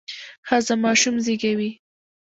ښځه ماشوم زیږوي.